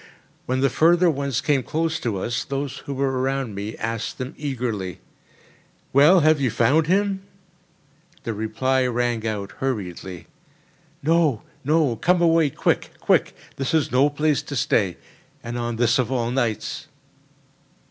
When the further ones came close to us, those who were around me asked them eagerly: "Well, have you found him?" The reply rang out hurriedly: "No! no! Come away quick—quick! This is no place to stay, and on this of all nights!"